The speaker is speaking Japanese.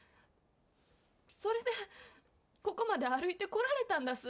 「それでここまで歩いてこられたんだす」